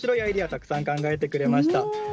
たくさん考えてくれました。